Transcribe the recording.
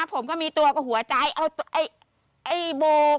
ผมก็มีตัวกับหัวใจเอาไอ้โบ